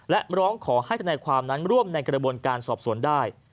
และร้องขอให้ธนายความนั้นร่วมในกระบวนการสอบสวนได้